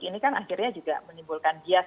ini kan akhirnya juga menimbulkan bias